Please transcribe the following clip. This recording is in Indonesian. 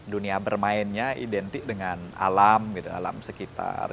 dunia bermainnya identik dengan alam sekitar